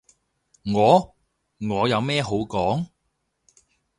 我？我有咩好講？